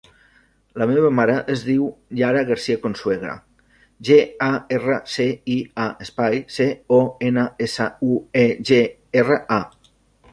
La meva mare es diu Yara Garcia Consuegra: ge, a, erra, ce, i, a, espai, ce, o, ena, essa, u, e, ge, erra, a.